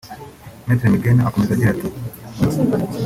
Me Maingain akomeza agira ati